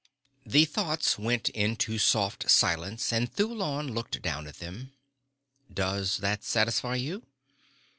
The thoughts went into soft silence and Thulon looked down at them. "Does that satisfy you?"